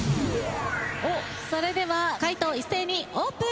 それでは解答一斉にオープン。